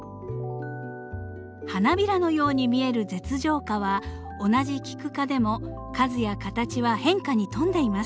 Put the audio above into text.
花びらのように見える舌状花は同じキク科でも数や形は変化に富んでいます。